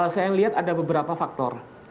saya lihat ada beberapa faktor